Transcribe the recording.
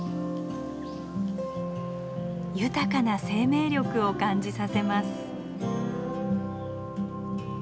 豊かな生命力を感じさせます。